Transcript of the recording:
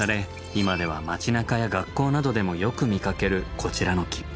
今では街なかや学校などでもよく見かけるこちらの木。